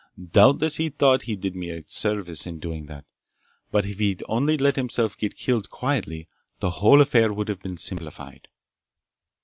Doubtless he thought he did me a service in doing that! But if he'd only let himself get killed quietly the whole affair would be simplified!"